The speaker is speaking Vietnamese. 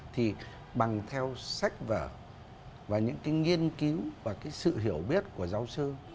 thì bằng theo sách vở và những nghiên cứu và sự hiểu biết của giáo sư